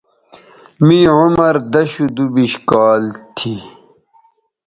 می عمر دشودُوبش کال تھی